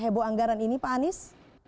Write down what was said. heboh anggaran ini pak anies